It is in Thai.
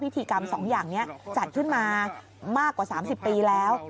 พิธีกรรมสองอย่างเนี้ยจัดขึ้นมามากกว่าสามสิบปีแล้ว